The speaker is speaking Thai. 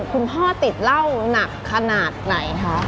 คุณพ่อติดเหล้าหนักขนาดไหนคะ